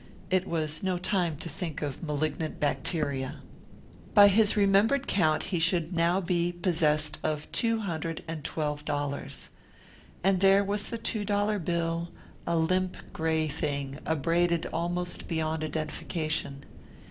It was no time to think of malignant bacteria. By his remembered count he should now be possessed of two hundred and twelve dollars. And there was the two dollar bill, a limp, gray thing, abraded almost beyond identification.